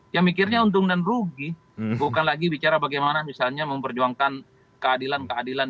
ya mikirnya untung dan rugi bukan lagi bicara bagaimana misalnya memperjuangkan keadilan keadilan